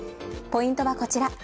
ポイントはこちら。